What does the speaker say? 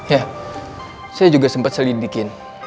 ya saya juga sempat selidikin